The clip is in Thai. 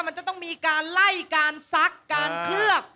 มันจะต้องมีการไล่การซักการเคลือบ